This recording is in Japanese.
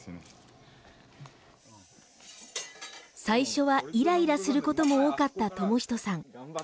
最初はイライラすることも多かった智仁さん。